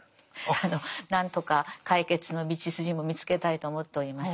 あの何とか解決の道筋も見つけたいと思っております。